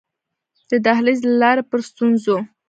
د دهلېز له لارې په ستونزو.